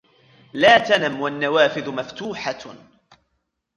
لا تنم والنوافذ مفتوحة.